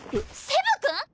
セブ君！？